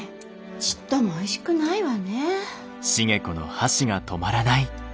ちっともおいしくないわね。